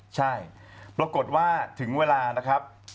ใช่ปรากฏว่าถึงเวลานะครับ